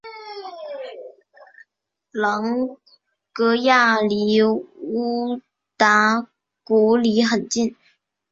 朗格亚离乌达古里很近。